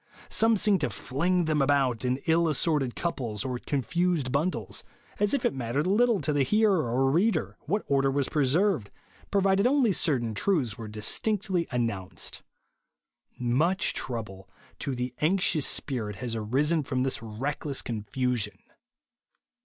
Some seem to fling them about in ill as sorted couples, or confused bundles, as if it mattered little to the hearer or reader what order was preserved, provided only certain truths were distinctly announced. Much trouble to the anxious spirit has arisen from this reckless confusion.